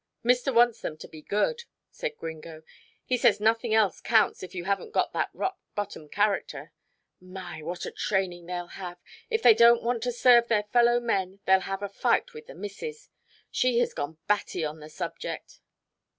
"Mister wants them to be good," said Gringo. "He says nothing else counts, if you haven't got that rock bottom character. My! what a training they'll have. If they don't want to serve their fellow men, they'll have a fight with the missis. She has gone batty on the subject."